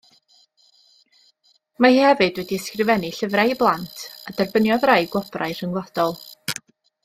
Mae hi hefyd wedi ysgrifennu llyfrau i blant, a derbyniodd rai gwobrau rhyngwladol.